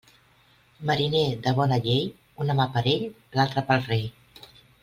Mariner de bona llei, una mà per ell; l'altra, pel rei.